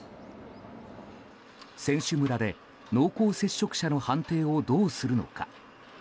選手村で、濃厚接触者の判定をどうするのか。